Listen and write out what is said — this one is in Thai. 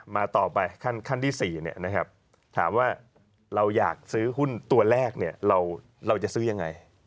มาต่อไปขั้นที่๔ถามว่าเราอยากซื้อหุ้นตัวแรกเราจะซื้อยังไง